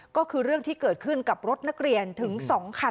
ซ้อนเลยค่ะ